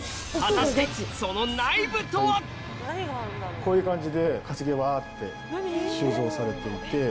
こういう感じで化石がワって収蔵されていて。